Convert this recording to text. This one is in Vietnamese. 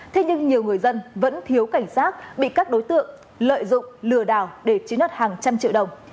thế nhưng nhiều người dân vẫn thiếu cảnh sát bị các đối tượng lợi dụng lừa đảo để chiến đất hàng trăm triệu đồng